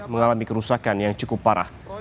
mengalami kerusakan yang cukup parah